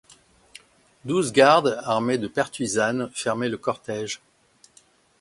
Douze gardes, armés de pertuisanes, fermaient le cortège.